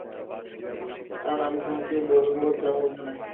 কারন আমি তোমাকে বলবো যাও ওখানে।